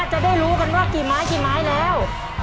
จะได้รู้กันว่ากี่ไม้กี่ไม้แล้ว